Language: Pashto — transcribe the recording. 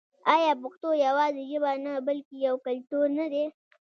آیا پښتو یوازې ژبه نه بلکې یو کلتور نه دی؟